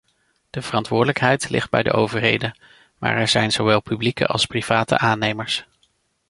De verantwoordelijkheid ligt bij de overheden, maar er zijn zowel publieke als private aannemers.